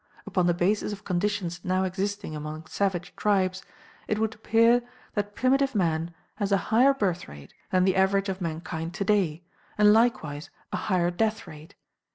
Upon the basis of conditions now existing among savage tribes it would appear that primitive man has a higher birth rate than the average of mankind today, and likewise a higher death rate.